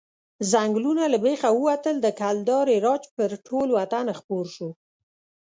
ځنګلونه له بېخه ووتل، د کلدارې راج پر ټول وطن خپور شو.